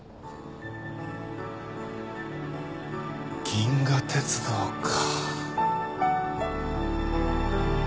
「銀河鉄道」か。